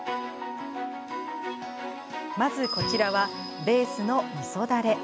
まずこちらは、ベースのみそだれ。